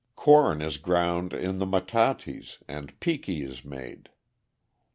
Corn is ground in the metates, and piki is made.